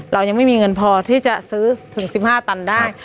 เรายังไม่มีเงินพอที่จะซื้อถึง๑๕ตันได้